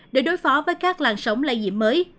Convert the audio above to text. để đối phó với các làn sóng lây nhiễm mới